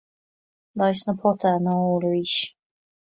Leigheas na póite ná ól arís.